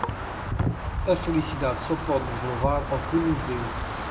A felicidade só pode nos levar ao que nos deu.